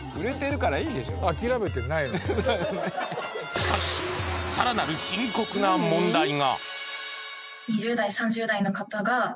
しかし更なる深刻な問題が